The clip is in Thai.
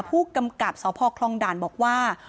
ผู้กำกับสพคลองด่านบอกว่า